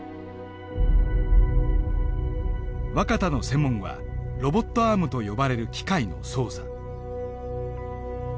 若田の専門はロボットアームと呼ばれる機械の操作。